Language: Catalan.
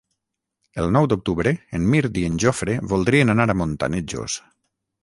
El nou d'octubre en Mirt i en Jofre voldrien anar a Montanejos.